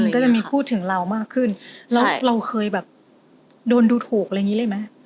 ก็จะมีพูดถึงเรามากขึ้นแล้วเราเคยแบบโดนดูถูกอะไรอย่างนี้เลยไหม